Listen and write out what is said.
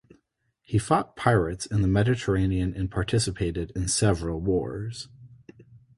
He fought pirates in the Mediterranean and participated in several wars.